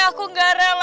aku gak rela